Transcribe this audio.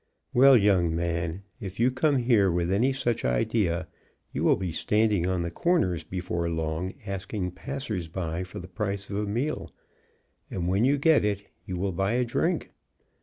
Well, young man, if you come here with any such idea, you will be standing on the corners before long, asking passers by for the price of a meal, and when you get it you will buy a drink.